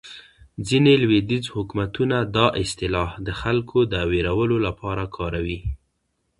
ځینې لویدیځ حکومتونه دا اصطلاح د خلکو د وېرولو لپاره کاروي.